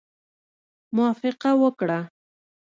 موافقه وکړه.